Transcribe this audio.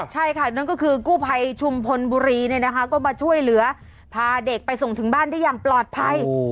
ใช่ค่ะนั่นก็คือกู้ภัยชุมพลบุรีก็มาช่วยเหลือพาเด็กไปส่งถึงบ้านได้อย่างปลอดภัย